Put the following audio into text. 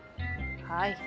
はい。